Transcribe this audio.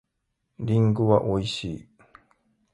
りんごは美味しい。